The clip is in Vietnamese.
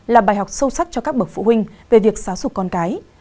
là bài học sâu sắc cho các bậc phụ huynh về việc xáo sụp con cái